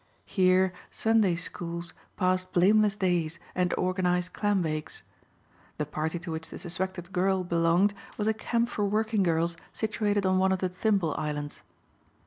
Here Sunday Schools passed blameless days and organized clambakes. The party to which the suspected girl belonged was a camp for working girls situated on one of the Thimble Islands.